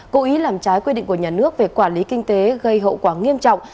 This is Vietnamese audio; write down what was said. cố ý làm trái quy định của nhà nước về quản lý kinh tế gây hậu quả nghiêm trọng